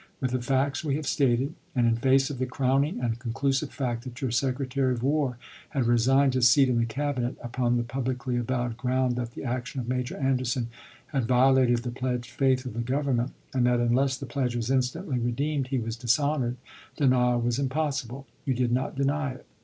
.. With the facts we have stated, and in face of the crowning and conclusive fact that your Secretary of War had resigned his seat in the Cabinet upon the pub licly avowed ground that the action of Major Anderson had violated the pledged faith of the Government, and that unless the pledge was instantly redeemed he was dishonored, denial was impossible ; you did not deny it.